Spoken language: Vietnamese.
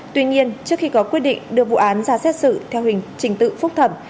tuy nhiên trước khi có quyết định đưa vụ án ra xét xử theo hình trình tự phúc thẩm